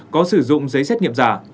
có sử dụng giấy xét nghiệm giả